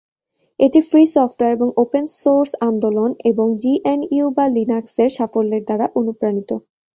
এটি free software এবং open source আন্দোলন এবং জিএনইউ/লিনাক্সের সাফল্যের দ্বারা অনুপ্রাণিত।